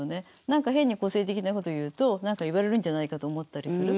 何か変に個性的なこと言うと何か言われるんじゃないかと思ったりする。